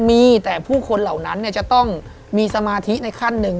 มีแต่ผู้คนเหล่านั้นจะต้องมีสมาธิในขั้นหนึ่ง